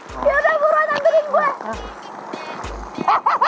yaudah buruan angerin gue